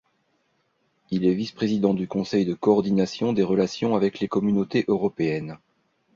Il est vice-président du conseil de coordination des relations avec les Communautés européennes.